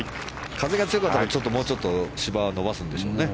風が強かったらもうちょっと芝を伸ばすんでしょうね。